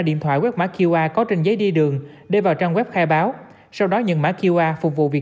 điện thoại quét mã qr có trên giấy đi đường để vào trang web khai báo sau đó nhận mã qr phục vụ việc